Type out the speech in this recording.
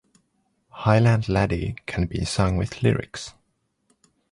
"Highland Laddie" can be sung with lyrics.